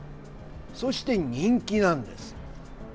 そして、人気なんです。